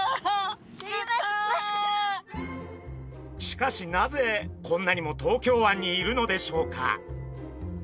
しかしなぜこんなにも東京湾にいるのでしょうか？